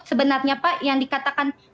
sebenarnya pak yang dikatakan